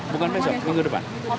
bukan besok minggu depan